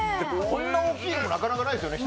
こんな大きいのなかなかないですよね。